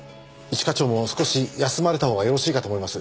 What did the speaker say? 一課長も少し休まれたほうがよろしいかと思います。